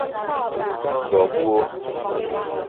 zọgbuo'.